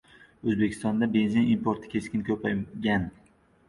O‘zbekistonda benzin importi keskin ko‘paygan